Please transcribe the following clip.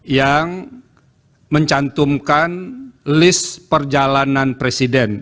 yang mencantumkan list perjalanan presiden